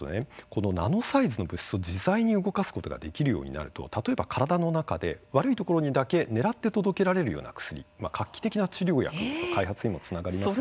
このナノサイズの物質を自在に動かすことができるようになると例えば体の中で悪いところにだけねらって届けられるような薬画期的な治療薬の開発にもつながります。